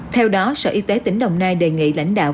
theo đó sở y tế tỉnh đồng nai đề nghị lãnh đạo